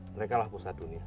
mereka lah pusat dunia